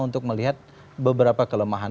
untuk melihat beberapa kelemahan